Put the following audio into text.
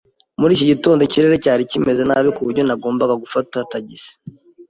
Muri iki gitondo ikirere cyari kimeze nabi kuburyo nagombaga gufata tagisi.